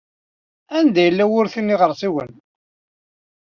Anda yella wurti n yiɣersiwen?